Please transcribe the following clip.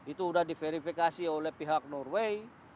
itu sudah diverifikasi oleh pihak norway